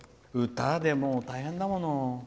歌で大変だもの。